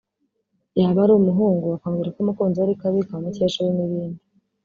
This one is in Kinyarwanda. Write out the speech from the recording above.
yaba ari umuhungu akamubwira ko umukunzi we ari kabi (ka mukecuru) n’ibindi